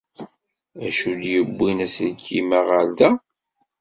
Acu i d-yewwin aselkim-a ɣer da?